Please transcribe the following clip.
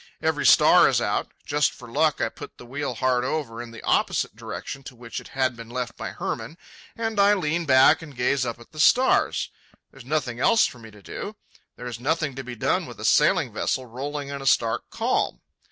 Every star is out. Just for luck I put the wheel hard over in the opposite direction to which it had been left by Hermann, and I lean back and gaze up at the stars. There is nothing else for me to do. There is nothing to be done with a sailing vessel rolling in a stark calm.